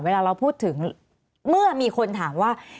เวลาเราพูดถึงเมื่อมีคนถามว่า